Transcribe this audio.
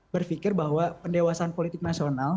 berfikir bahwa pendewasaan politik nasional